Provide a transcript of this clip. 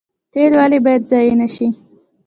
تیل ولې باید ضایع نشي؟